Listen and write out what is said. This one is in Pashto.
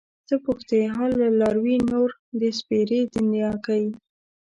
څه پوښتې حال له لاروي نور د سپېرې دنياګۍ